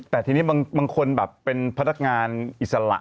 แต่ทีนี้บางคนแบบเป็นพนักงานอิสระ